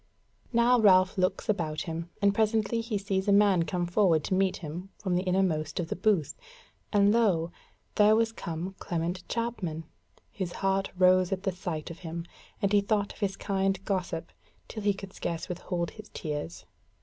Now Ralph looks about him, and presently he sees a man come forward to meet him from the innermost of the booth, and lo! there was come Clement Chapman. His heart rose at the sight of him, and he thought of his kind gossip till he could scarce withhold his tears.